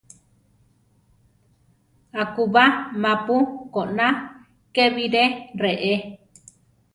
Akúba: mapu koná ké biré reé.